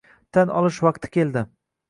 tan olish vaqti keldi: